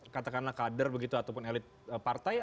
katakanlah kader begitu ataupun elit partai